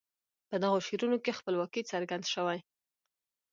په دغو شعرونو کې خپلواکي څرګند شوي.